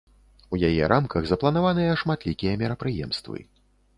У яе рамках запланаваныя шматлікія мерапрыемствы.